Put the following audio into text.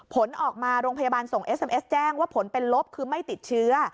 ผลออกมาโรงพยาบาลส่งเอสเอ็สแจ้งว่าผลเป็นลบคือไม่ติดเชื้อ